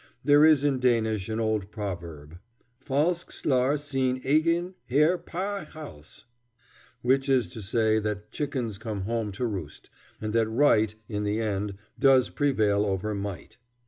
There is in Danish an old proverb, "Falsk slaar sin egen Herre paa Hals," which is to say that chickens come home to roost, and that right in the end does prevail over might.